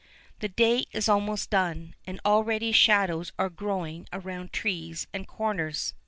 The day is almost done, and already shadows are growing around trees and corners.